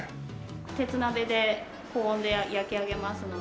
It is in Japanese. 鉄鍋で高温で焼き上げますので。